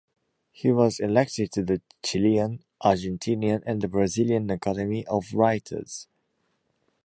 He was elected to the Chilean, Argentinian and the Brazilian Academy of Writers.